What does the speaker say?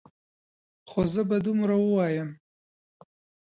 خو زه به دومره ووایم.